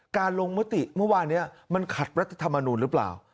การลงมติเมื่อวานนี้มันขัดรัฐธรรมนูลหรือเปล่า